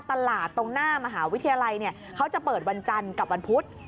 ตรงหน้ามหาวิทยาลัยเขาจะเปิดวันจันทร์กับวันพุธ